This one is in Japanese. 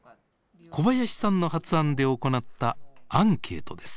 小林さんの発案で行ったアンケートです。